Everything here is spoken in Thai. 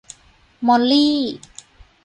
มอลลี่